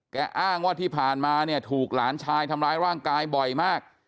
อ้างว่าที่ผ่านมาเนี่ยถูกหลานชายทำร้ายร่างกายบ่อยมาก